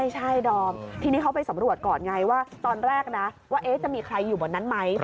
ใช่ดอมทีนี้เขาไปสำรวจก่อนไงว่าตอนแรกนะว่าจะมีใครอยู่บนนั้นไหม